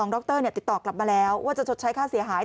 ดรติดต่อกลับมาแล้วว่าจะชดใช้ค่าเสียหาย